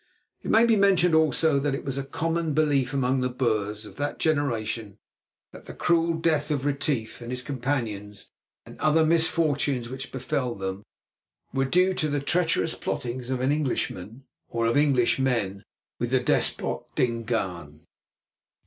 It may be mentioned, also, that it was a common belief among the Boers of that generation that the cruel death of Retief and his companions, and other misfortunes which befell them, were due to the treacherous plottings of an Englishman, or of Englishmen, with the despot, Dingaan.